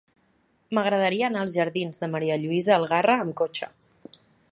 M'agradaria anar als jardins de Ma. Lluïsa Algarra amb cotxe.